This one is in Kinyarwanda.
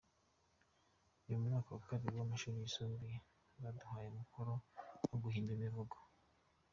Ndi mu mwaka wa kabiri w’amashuri yisumbuye baduhaye umukoro wo guhimba imivugo.